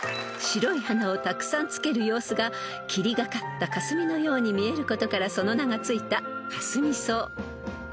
［白い花をたくさんつける様子が霧がかったかすみのように見えることからその名が付いたかすみ草］